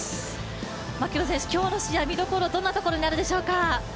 今日の試合、見どころどんなところになるでしょうか？